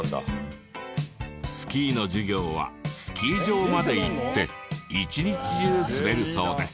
スキーの授業はスキー場まで行って一日中滑るそうです。